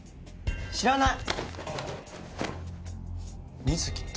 知らない。